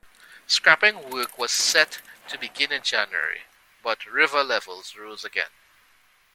Scrapping work was set to begin in January, but river levels rose again.